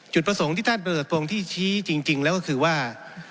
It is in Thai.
จุดประสงค์ที่ท่านประเสริฐตรงที่ชี้จริงแล้วก็คือว่า